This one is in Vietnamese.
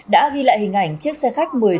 đã ghi lại hình ảnh chiếc xe khách